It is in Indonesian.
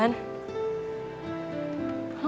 sampai jumpa lagi